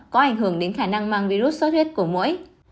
có ảnh hưởng đến khả năng mang virus sốt huyết của mũi